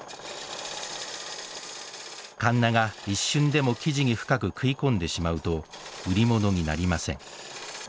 かんなが一瞬でも木地に深く食い込んでしまうと売り物になりません。